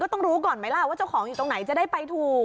ต้องรู้ก่อนไหมล่ะว่าเจ้าของอยู่ตรงไหนจะได้ไปถูก